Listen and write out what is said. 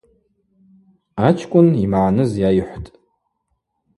Ачкӏвын ймагӏныз йайхӏвтӏ.